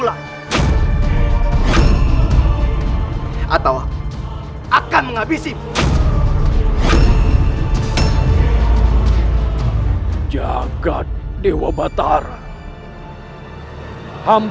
jangan pernah mengganggu kekasihku